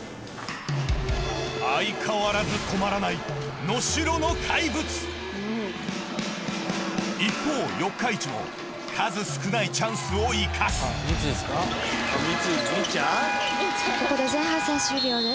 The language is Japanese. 相変わらず止まらない一方四日市も数少ないチャンスを生かすここで前半戦終了です。